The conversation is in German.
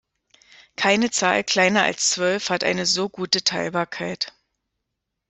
Keine Zahl kleiner als Zwölf hat eine so gute Teilbarkeit.